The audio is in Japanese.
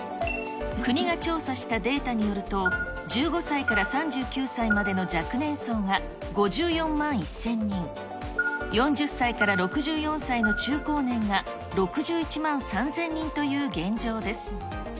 国が調査したデータによると、１５歳から３９歳までの若年層が５４万１０００人、４０歳から６４歳の中高年が６１万３０００人という現状です。